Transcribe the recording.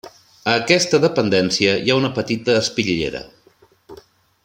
A aquesta dependència hi ha una petita espitllera.